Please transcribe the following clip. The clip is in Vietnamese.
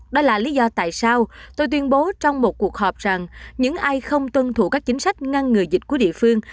đó là lý do tại sao tôi tuyên bố trong một cuộc họp rằng những ai không tuân thủ các chính sách ngăn ngừa dịch của địa phương